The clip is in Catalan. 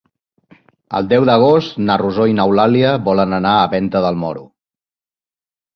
El deu d'agost na Rosó i n'Eulàlia volen anar a Venta del Moro.